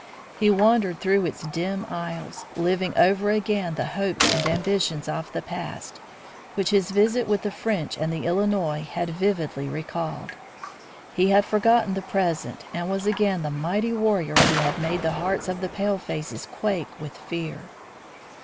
He wandered through its dim aisles, living over again the hopes and ambitions of the past, which his visit with the French and the Illinois had vividly recalled. He had forgotten the present and was again the mighty warrior who had made the hearts of the palefaces quake with fear.